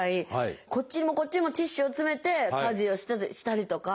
こっちにもこっちにもティッシュをつめて家事をしたりとか。